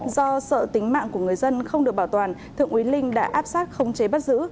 do sợ tính mạng của người dân không được bảo toàn thượng úy linh đã áp sát không chế bắt giữ